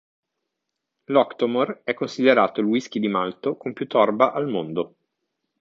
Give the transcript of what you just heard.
L' "Octomore" è considerato "il whisky di malto con più torba al mondo".